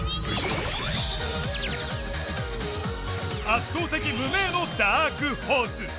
圧倒的無名のダークホース。